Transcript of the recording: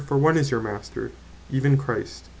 10) for one is your Master, even Christ."